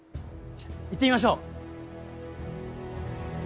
じゃあ行ってみましょう。